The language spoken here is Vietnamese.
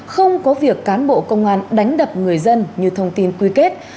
không có việc cán bộ công an đánh đập người dân như thông tin quy kết